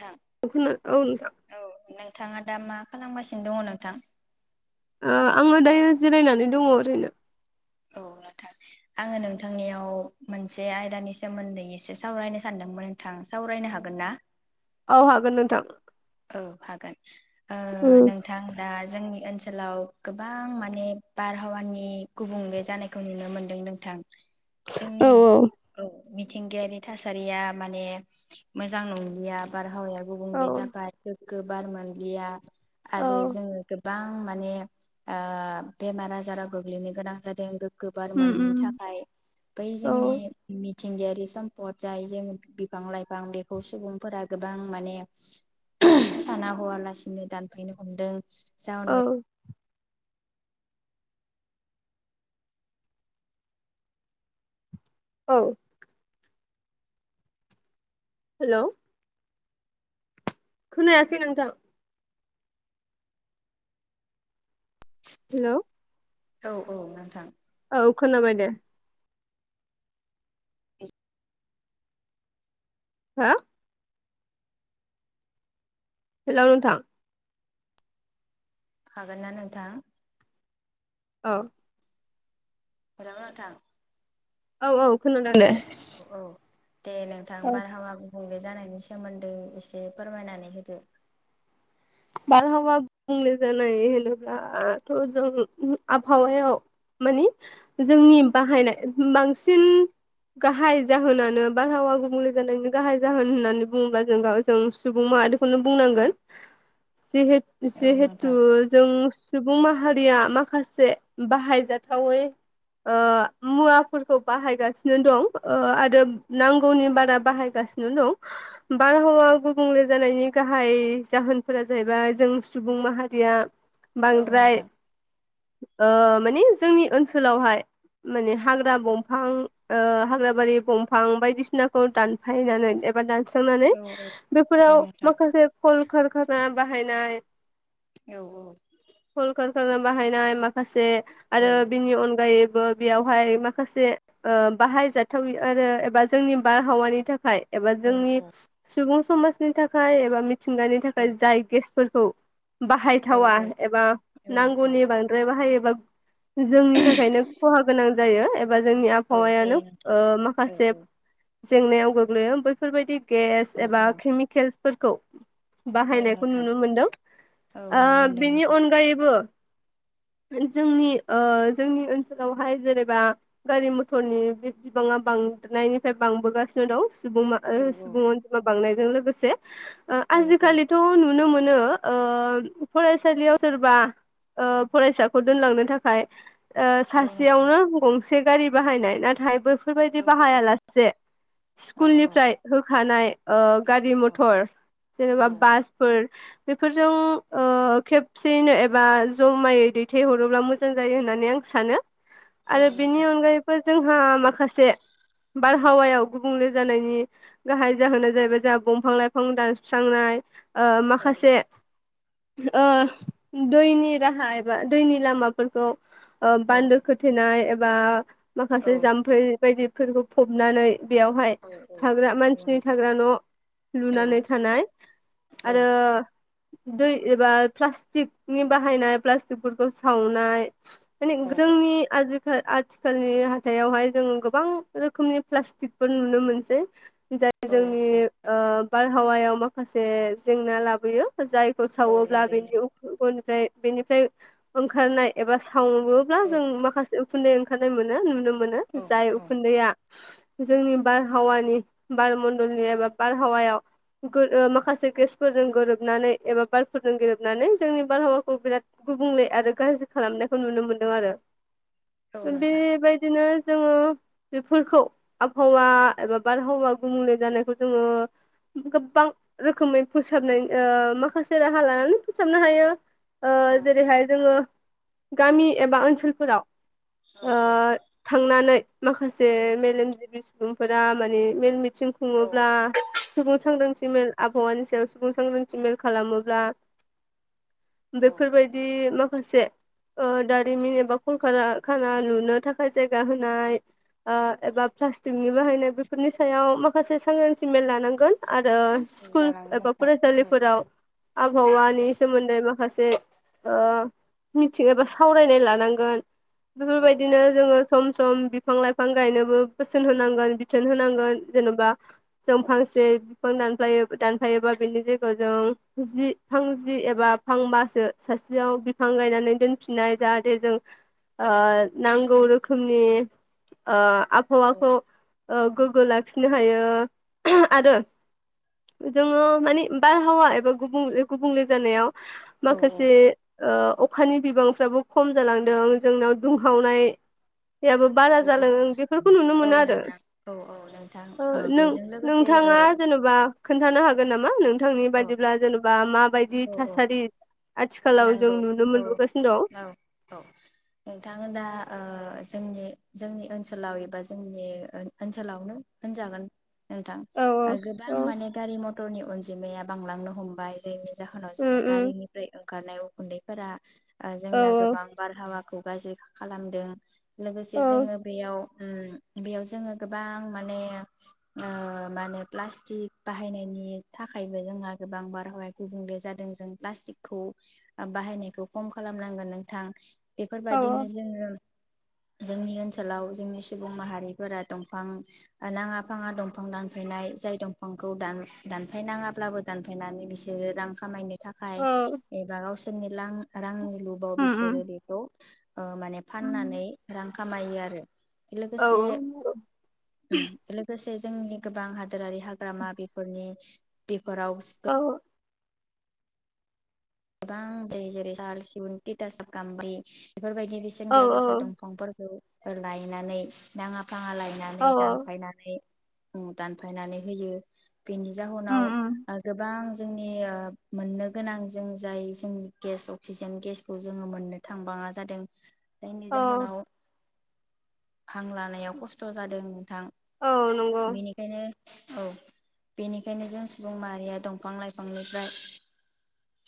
नोंथां [unintelligible] औ नोंथां औ नोंथाङा दा मा खालामगासिनो दङ नोंथां। ओ आङो दायो जिरायनानै दङ ओरैनो। औ नोंथां आङो नोंथांनियाव मोनसे आयदानि सोमोन्दै एसे सावरायनो सानदोंमोन नोंथां सावरायनो हागोन ना? औ हागोन नोंथां। औ हागोन ओ उम नोंथां दा जोंनि ओनसो लाव गोबां माने बारहावानि गुबुंले जानायखौ नुनो मोनदों नोंथां। औ जोंनि औ। औ मिथिंगायारि थासारिया माने मोजां नंलिया बारहावाया औ गुबुंले जाबाय गोबार मोनलिया औ आरो जोङो गोबां माने ओ बेमार आजारा गोग्लैनो गोनां जादों। गोबार उम मोननि उम थाखाय बै औ जोंनि मिथिंगायारि समपद जाय जों बिफां लाइफां बेखौ सुबुंफोरा गोबां माने। साना हवालासिनो दानफायनो हमदों औ। जाउनाव औ। हेलौ खोनायासै नोंथां हेल' औ औ नोंथां औ खोनाबाय दे हा? हेल' नोंथां हागोन ना नोंथां? औ। [unintelligible] नोंथां औ औ खोनादों दे औ औ। दे नोंथां औ बारहावा गुबुंले जानायनि सोमोनदै एसे फोरमायनानै होदो। बारहावा गुबुंले जानाय होनोब्लाथ' जों आबहावायाव मानि जोंनि बाहायनाय बांसिन गाहाय जाहोनानो बारहावा गुबुंले जानायनि गाहाय जाहोन होननानै बुङोब्ला जों जों सुबुं माहारिखौनो बुंनांगोन। जिहे औ जिहेथु नोंथां जों सुबुं माहारिया माखासे बाहायजाथावै ओ मुवाफोरखौ बाहायगासिनो दं ओ आरो नांगौनि बारा बाहायगासिनो दं बारहावा गुबुंले जानायनि गाहाय जाहोन फोरा जाहैबाय जों सुबुं माहारिया औ बांद्राय नोंथां ओ माने जोंनि ओनसोलावहाय माने हाग्रा बंफां ओ हाग्राबारि बंफां बायदिसिनाखौ दानफायनानै एबा दान स्रांनानै औ औ औ बेफोराव नोंथां माखासे कल-कारखा ना बाहायनाय औ औ रखाना बाहायनाय माखासे आरो बिनि अनगायै ओ बेयावहाय माखासे ओ बाहायजाथाव आरो एबा जोंनि बारहावानि थाखाय एबा औ जोंनि औ सुबुं समाजनि थाखाय एबा मिथिंगानि था औ खाय जाय गेसफोरखौ बाहायथावा एबा औ औ नांगौनि बांद्राय बाहायो। [unintelligible] जोंनि थाखायनो खहा गोनां जायो एबा जोंनि औ आबहावायानो जायो नोंथां ओ औ माखासे' जेंनायाव गोग्लैयो बैफोरबायदि गेस औ एबा केमिकेलस फोरखौ औ बाहायनायखौ नोंथां नुनो मोनदों औ ओ नुनो मोनदों बेनि नोंथां अनगायैबो जोंनि ओ जोंनि ओनसोलावहाय जेनेबा गारि मथरनि बे बिबाङा बांनायनिफ्राय बांबोगासिनो दं। सुबुं मा औ औ ओ सुबुं अनजिमा बांनाय जों लोगोसे औ औ आजिखालिथ' नुनो मो नो ओ फरायसालियाव सोरबा ओ फरायसाखौ दोनलांनो थाखाय ओ औ नोंथां सासेयावनो गंसे गारि बाहायनाय नाथाय बै औ फोरबायदि बाहायालासे औ स्कुलनिफ्राय होखानाय ओ गारि औ मथर औ नोंथां औ एबा बासफोर बेफोरजों ओ खेबसेयैनो एबा जमायै दैथायहरोब्ला मोजां जायो होननानै आं सानो। औ औ आरो बेनि नोंथां अनगायैबो जोंहा माखासे बारहावायाव गुबुंले जानायनि गाहाय जाहोना जाहैबाय जोंहा दंफां लाइफां दान्स स्रांनाय ओ औ माखासे ओ दैनि राहा एबा दैनि लामाफोरखौ ओ बान्दो खोथेनाय ए बा माखासे जाम्फै बायदि फोरखौ फबनानै बेयावहाय थाग्रा मानसिनि थाग्रा न' लुनानै थानाय आरो दै एबा प्लास्टिकनि बाहायनाय प्लास्टिकफोरखौ सावनाय माने औ जोंनि आजि आथिखालनि हाथाइआवहाय जोंङो गोबां रोखोमनि प्लास्टिकफोर नुनो मोनसै जाय औ औ जोंनि ओ बार हावायाव माखासे जेंना लाबोयो जायखौ औ सावोब्ला लाबोयो बेनि [unintelligible] बेनिफ्राय ओंखारनाय एबा सावोब्ला जों माखासे उखुन्दै ओंखारनाय मोनो नुनो मो मोनो नोंथां औ जाय औ उखुन्दैआ जोंनि बारहावानि बार मण्डलनि एबा बारहावायाव ओ माखासे गेसफोरजों गोरोबनानै एबा बारफोरजों गोरोबनानै जोंनि बारहावाखौ बिराद गुबुंले आरो गाज्रि खालामनायखौ नुनो मोनदों आरो औ नोंथां बेबायदिनो जोङो बेफोरखौ आबहावा एबा बारहावा गुबुंले जानायखौ जोङो गोबां रोखोमै फोसाबनाय ओ माखासे राहा लानानै फोसाबनो हायो ओ औ जेरैहाय जोङो गामि एबा ओनसोलफोराव औ ओ थांनानै [inaudible] माखासे मेलेमजिबि सुबुंफोरा माने मेल मि थिं औ खुङोब्ला सुबुं सांग्रांथिमेल आबहावानि सायाव सुबुं सांग्रांथिमेल खालामोब्ला औ बेफोरबायदि मा माखासे ओ दारिमिन एबा कलकारखाना लुनो थाखाय जायगा होनाय ओ एबा प्लास्टिकनि बाहायनाय बेफोरनि सायाव माखासे सांग्रांथि मेल लानांगौ [inaudible] आरो स्कुल लानांगोन एबा नोंथां औ फरायसालिफोराव आबहावानि सोमोन्दै माखासे ओ मिथिं एबा सावरायनाय लानांगोन औ बेफोरबायदिनो लानांगोन जोङो सम सम बिफां लाइफां गायनोबो बोसोन होनांगोन बिथोन होनांगोन जेनेबा जों फांसे बिफां दानफायो दानफायोबा बिनि जायगायाव जों जि फां जि एबा फांबासो सासेयाव बिफां गायनानै दोनफिननाय जाहाथे जों ओ नांगौ रोखोमनि ओ आबहावाखौ ओ गोग्गो लाखिनो हायो आरो जोङो माने बारहावा एबा गुबुंले गुबुंले जानायाव औ माखासे ओ अखानि बिबांफ्राबो खम जालांदों जोंनाव दुंहावनाय याबो बारा औ जालांदों बेफोरखौ नुनो औ औ औ मोनो आरो नोंथां औ औ नोंथां ओ औ नों बेजों लोगोसे नोंथाङा ओ जेन'बा खोन्थानो हागोन नामा नों थांनि औ बायदिब्ला जेनेबा मा बायदि औ औ थासारि आथिखालाव जों नांगौ नुनो औ मोनबोगासिनो औ औ नोंथांनो दा ओ जोंनि जोंनि ओनसोलाव एबा जोंनि ओ-ओनसोलावनो होनजागोन नोंथां दं औ गोबां औ माने गारि मथ फटरनि अनजिमाया बांलांनो हमबाय जे जाहोनाव उम जोङो उम गारिनिफ्राय ओंखारनाय उखुन्दैफोरा आ औ जोंना गोबां बारहावाखौ गाज्रै खा-खालामदों लोगोसे औ जोङो बेयाव ओ बेयाव जोङो गोबां माने ओ मा होनो प्लास्टिक बाहायनायनि थाखायबो जोंहा गोबां बारहावाया गुबुंले जादों जों प्लास्टिक खौ बाहायनायखौ खम खालामनांगोन नोंथां औ बेफोरबायदिनो जोङो जोंनि ओनसोलाव जोंनि सुबुं माहारिफोरा दंफां नाङा फाङा दंफां दानफायनाय जाय दंफांखौनम दानफायनाङाब्लाबो दानफायनानै बिसोरो रां खामायनो थाखाय एबा गावसोरनि लां रांनि लुबाव उम उम बिसोरो बेखौ ओ माने फाननानै रां खामायो आरो औ लोगोसे उम लोगोसे जोंनि गोबां हाद हादोरारि हाग्रामा बेफोरनि औ [unintelligible] गोबां जाय जेरै साल सिगुन टिटासाक गामब्रि बेफोरबायदि औ बेसेनगोसा गोसा दंफांफोरखौ फोर लायनानै नाङा फाङा औ लायनानै औ दानफायनानै ओ दानफायनानै होयो बेनि उम जाहोनाव उम ओ गोबां जोंनिया मोननो गोनां जों जाय जों गेस अक्सिजेन गेसखौ जोङो मोननो थांबाङा जादों। जायनि औ जाहोनाव हां लानायाव खस्थ' जादों। थां औ नंगौ बेनिखायनो औ बेनिखायनो जों सुबुं माहारिया दंफां-लाइफांनिफ्राय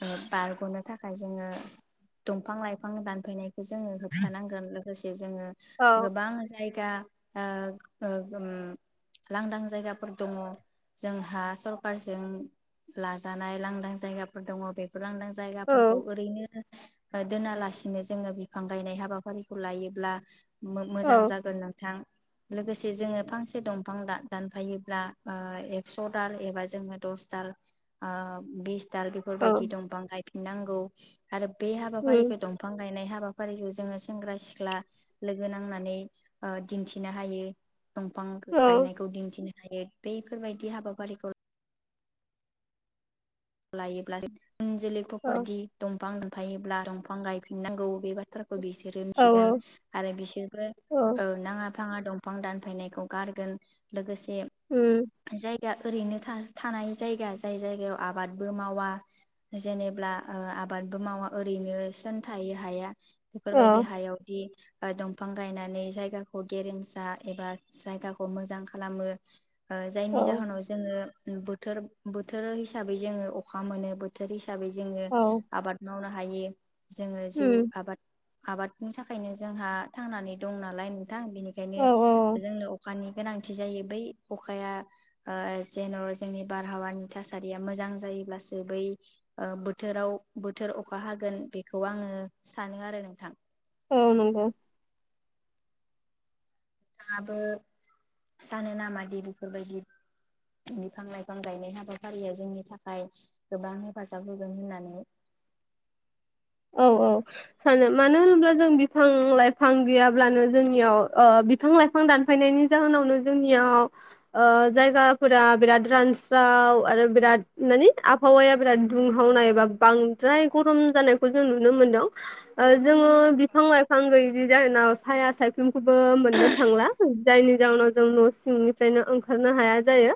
ओ‌ बारग'नो थाखाय जोङो दंफां लाइफांनि दानफानाय जोङो होबथानांगोन दसे जोङो औ गोबां जाय गा ओ लांदां जायगाफोर दङ जोंहा सरखारजों लाजानाय लांदां जायगाफोर द लांदां औ जायगाफोरखौ ओरैनो दोनालासिनो जोङो बिफां गायनाय हाबाफारिखौ लायोब्ला मोजां औ जागोन नोंथां। लोगोसे जोङो फांसे दंफां दानफायोब्ला ओ एक्स' दाल एबा जोङो दस दाल बिस दाल बेफोर औ बायदि फां गायफिननांगौ आरो बे उम हाबाफारिखौ दंफां गायनाय हा हाबाफारिखौ जोङो सेंग्रा सिख्ला लोगो नांनानै ओ दिन्थिनो हायो। दंफां औ गायनायखौ दिन्थिनो। हायो बैफोरबायदि हाबाफारिखौ लायोब्ला इउन जोलै औ प्रपारथि दंफां फायोब्ला दंफां गायफिनांगौ बे बाथ्राखौ बिसोरो औ मिथिगोन उम आरो बिसोरबो ओ नाङा फाङा दंफां दानफायनायखौ गारगोन लोगोसे बे जाय आं ओरैनो थानाय जायगा जाय जायगायाव आब आबादबो मावा जेनेब्ला आबादबो मावा ओरैनो सोन थायो हाया बेफोर बायदि हायावदि दंफां गायनानै जायगाखौ गेरेमसा एबा जायगाखौ मोजां खालामो। ओ औ जायनि जाहोनाव जोङो बोथोर बोथोर हिसा बै जोङो अखा मोनो बोथोर हिसा बै जोङो औ आबाद मावनो हा [inaudible] जोङो जिउ उम आबाद आबादनि थाखायनो जोंहा थांनानै दं नालाय नों थां बेनिखायनो औ औ जोंनो अखानि गोनांथि जायो बै अखाया ओ जेन' जोंनि बारहावानि थास थासारिया मोजां जायोब्लासो बै ओ बोथोराव बोथोर अखा हागोन बेखौ आङो सानो आरो नोंथां औ नंगौ नाथांङाबो सानो नामा दि बेफोरबायदि बिफां लाइफां गायनाय हाबाफारिया जोंनि थाखाय गोबां हेफाजाब होगोन होननानै औ औ सानो मानो होनोब्ला जों बिफां लाइफां गैयाब्लानो जोंनियाव ओ बिफां लाइफां दानफायनायनि जाहोनावनो जोंनियाव ओ जायगाफोरा बिराद रानस्राव आरो बिराद माने आबहावाया बिराद दुंहावनाय एबा बांद्राय गरम जानाय खौ जों नुनो मोनदों ओ जोङो बिफां लाइफां गैयै जि जाहोनाव साया सायख्लुमखौबो मोननो थांला जायनि जाहोनाव जों न' सिंनिफ्रायनो ओंखारनो हाया जायो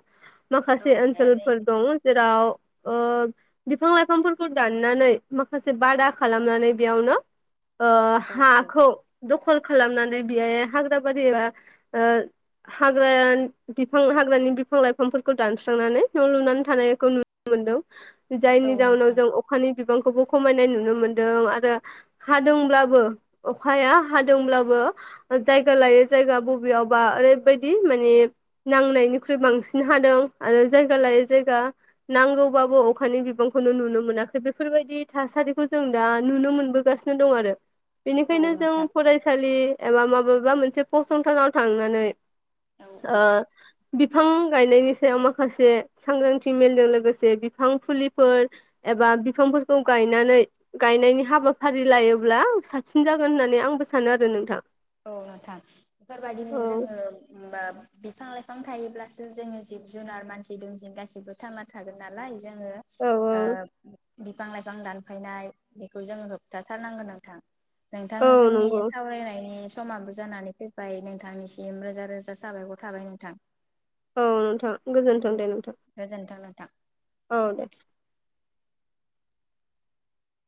औ माखासे हाया ओनसोलफोर जायो दं जेराव ओ बिफां लाइफांफोरखौ दाननानै माखासे जे बादा खालामनानै बेयावनो ओ औ हाखौ दखल खालामनानै बेहाय हाग्रा बारियावहा ओ हाग्रा बिफां हाग्रानि बिफां लाइफांफोरखौ दानस्रांनानै न' लुनानै थानायखौ नुनो मोनदों औ जायनि जाहनाव नोंथां जों अखानि बिबांखौबो खमायनाय नुनो मोन्दों आरो हादोंब्लाबो अखाया हादोंब्लाबो जायगा लायै जायगा बबेयावबा ओरैबायदि माने नांनायनिख्रुइ बांसिन हादों आरो जायगा लायै जायगा नांगौबाबो अखानि बिबांखौनो नुनो मोनाखै बेफोरबायदि थासारिखौ जों दा नुनो मोनबोगासिनो दं आरो औ बेनिखायनो जों नोंथां फरायसालि एबा माबा माबा मोनसे फसंथानाव थांनानै औ ओ औ बिब बिफां गायनायनि सायाव माखासे सांग्रांथि मेलजों लोगोसे बिफां फुलिफोर एबा बिफांफोर खौ गायनानै गायनायनि हाबाफारि लायोब्ला साबसिन जागोन होननानै आंबो सानो आरो नोंथां औ नोंथां बेफोर बायदिनो औ जोङो होमबा बिफां लाइफां थायोब्लासो जोङो जिब जुनार मानसि दुमसिन गासिबो थामा थागोन नालाय जोङो औ ओ बिफां लाइफां दानफायनाय बेखौ जोङो होबथा थारनांगोन नोंथां नोंथां औ जोंनि नंगौ सावरायनायनि समाबो जानानै फैबाय नोंथांनिसिम रोजा रोजा साबायखर थाबाय नोंथां औ नोंथां गोजोनथों दे नोंथां थां औ दे